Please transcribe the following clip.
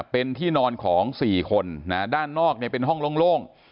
เป็นที่นอนของ๔คนด้านนอกเป็นห้องโล่ง